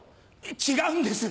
違うんです